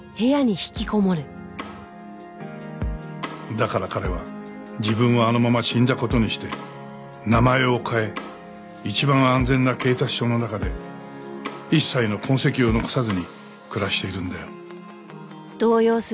だから彼は自分はあのまま死んだ事にして名前を変え一番安全な警察署の中で一切の痕跡を残さずに暮らしているんだよ。